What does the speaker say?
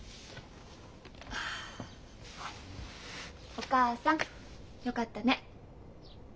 お母さんよかったね。